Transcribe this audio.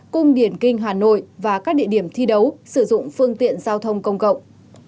cung điển kinh hà nội và các địa điểm thi đấu sử dụng phương tiện giao thông công cộng